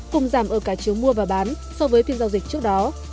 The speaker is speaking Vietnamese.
cùng giảm ở cả chiều mua và bán so với phiên giao dịch trước đó